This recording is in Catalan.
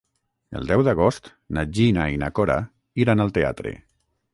El deu d'agost na Gina i na Cora iran al teatre.